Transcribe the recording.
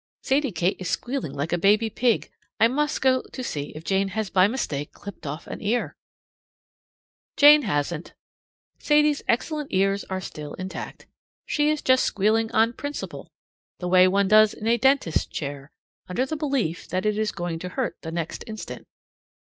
Sadie Kate is squealing like a baby pig. I must go to see if Jane has by mistake clipped off an ear. Jane hasn't. Sadie's excellent ears are still intact. She is just squealing on principle; the way one does in a dentist's chair, under the belief that it is going to hurt the next instant.